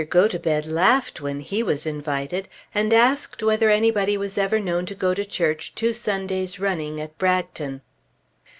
Gotobed laughed when he was invited and asked whether anybody was ever known to go to church two Sundays running at Bragton.